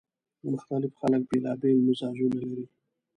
مختلف خلک بیلابېل مزاجونه لري